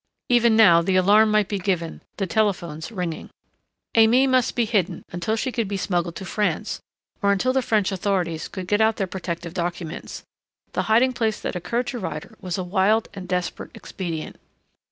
Even now the alarm might be given, the telephones ringing. Aimée must be hidden until she could be smuggled to France or until the French authorities could get out their protective documents. The hiding place that occurred to Ryder was a wild and desperate expedient.